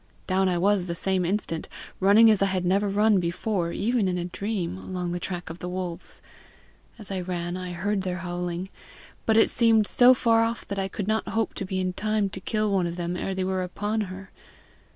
Down I was the same instant, running as I had never run before even in a dream, along the track of the wolves. As I ran, I heard their howling, but it seemed so far off that I could not hope to be in time to kill one of them ere they were upon her.